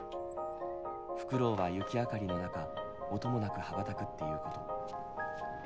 フクロウは雪明かりの中音もなく羽ばたくっていうこと。